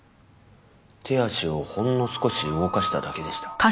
手足をほんの少し動かしただけでした。